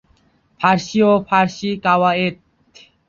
ফারসি ও ফারসি কাওয়ায়েদ।